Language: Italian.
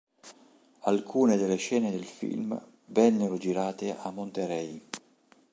Alcune delle scene del film vennero girate a Monterey.